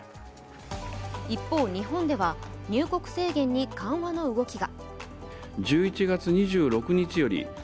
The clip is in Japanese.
一方、日本では、入国制限に緩和の動きが。